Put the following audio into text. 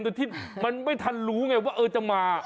เตอร์ที่มันไม่ทันรู้ไงว่าจะมา